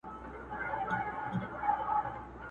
په اول د پسرلي کي د خزان استازی راغی٫